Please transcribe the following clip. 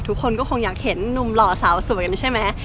ทุกคนก็คงอยากเห็นหนุ่มหล่อสาวสวยใช่ไหม